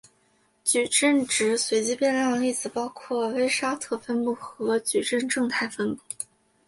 矩阵值随机变量的例子包括威沙特分布和矩阵正态分布。